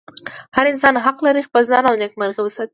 هر انسان حق لري خپل ځان او نېکمرغي وساتي.